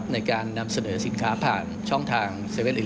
ในการนำเสนอสินค้าผ่านช่องทาง๗๑๑